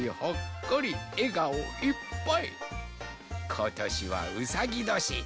ことしはうさぎどし。